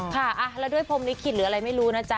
ค่ะแล้วด้วยพรมลิขิตหรืออะไรไม่รู้นะจ๊